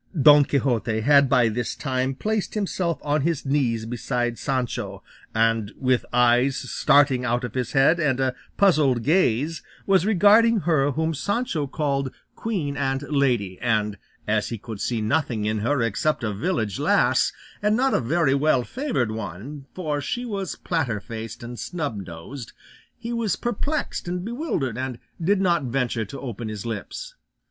'" Don Quixote had by this time placed himself on his knees beside Sancho, and, with eyes starting out of his head and a puzzled gaze, was regarding her whom Sancho called queen and lady; and as he could see nothing in her except a village lass, and not a very well favoured one, for she was platter faced and snub nosed, he was perplexed and bewildered, and did not venture to open his lips.